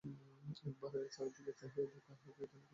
একবার চারি দিকে চাহিয়া কাহাকে যেন খুঁজিল।